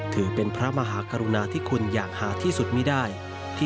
ถือเป็นพระมหากรุณาที่คุณอย่างหาที่สุดไม่ได้